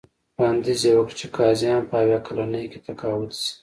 وړاندیز یې وکړ چې قاضیان په اویا کلنۍ کې تقاعد شي.